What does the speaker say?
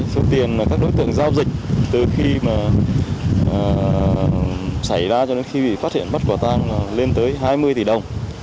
số tiền các đối tượng giao dịch từ khi mà xảy ra cho đến khi bị phát hiện bắt quả tang là lên tới hai mươi tỷ đồng